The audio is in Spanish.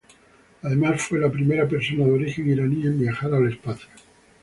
Además fue la primera persona de origen iraní en viajar al espacio.